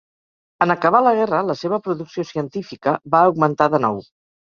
En acabar la guerra la seva producció científica va augmentar de nou.